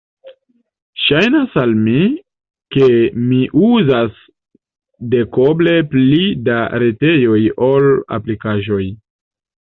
Ŝajnas al mi, ke mi uzas dekoble pli da retejoj ol aplikaĵoj.